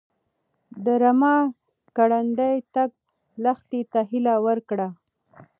د رمه ګړندی تګ لښتې ته هیله ورکړه.